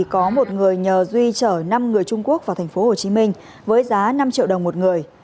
có một người nhờ duy trở năm người trung quốc vào tp hcm với giá năm triệu đồng một người